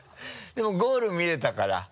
でもゴール見れたから。